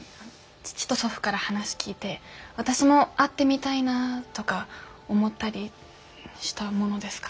父と祖父から話聞いて私も会ってみたいなとか思ったりしたものですから。